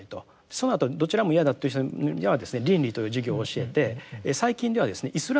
そのあとどちらも嫌だという人にはですね倫理という授業を教えて最近ではイスラムの授業もあります。